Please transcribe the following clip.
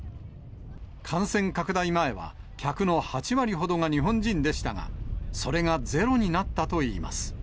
感染拡大前は、客の８割ほどが日本人でしたが、それがゼロになったといいます。